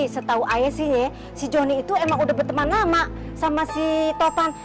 setahu aja sih si joni itu emang udah berteman lama sama si topan